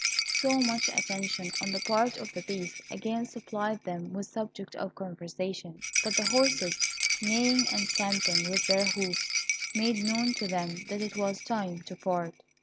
So much attention on the part of the Beast again supplied them with subject of conversation; but the horses, neighing and stamping with their hoofs, made known to them that it was time to part.